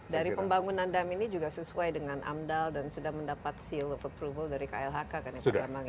dari pembangunan dam ini juga sesuai dengan amdal dan sudah mendapat seal of approval dari klhk kan ya emang ya